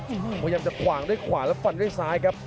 พยายามจะขวางด้วยขวาแล้วฟันด้วยซ้ายครับ